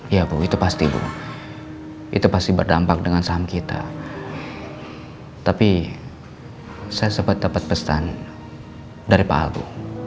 ya bu itu pasti bu itu pasti berdampak dengan saham kita tapi saya sempat dapat pesan dari pak albu